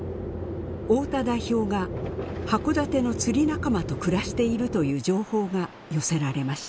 太田代表が函館の釣り仲間と暮らしているという情報が寄せられました。